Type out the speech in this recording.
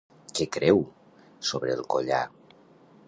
Què creu sobre el collar?